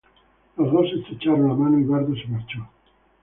Los dos se estrecharon la mano y Bardo se marchó.